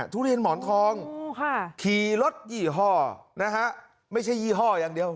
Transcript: ทุเรียนหมอนทองขี่รถยี่ห้อนะฮะไม่ใช่ยี่ห้ออย่างเดียว